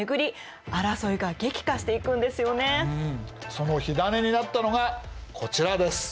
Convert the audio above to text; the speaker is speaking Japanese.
その火種になったのがこちらです。